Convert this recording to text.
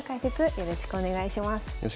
よろしくお願いします。